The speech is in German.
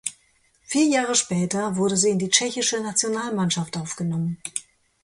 Vier Jahre später wurde sie in die tschechische Nationalmannschaft aufgenommen.